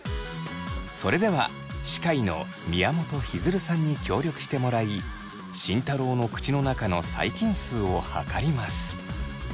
それでは歯科医の宮本日出さんに協力してもらい慎太郎の口の中の細菌数を測ります。